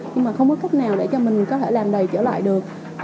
nhưng mà không có cách nào để cho mình có thể làm đầy trở lại được